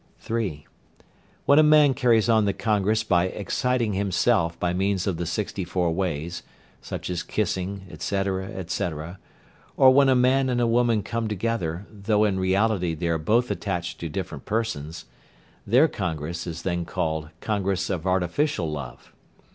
(3). When a man carries on the congress by exciting himself by means of the sixty four ways, such as kissing, etc., etc., or when a man and a woman come together, though in reality they are both attached to different persons, their congress is then called "congress of artificial love."